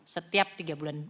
setiap tiga bulan